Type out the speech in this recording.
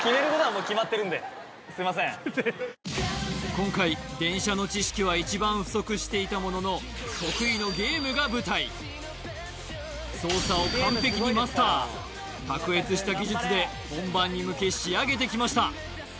今回電車の知識は一番不足していたものの得意のゲームが舞台卓越した技術で本番に向け仕上げてきました